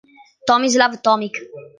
Tomislav Tomić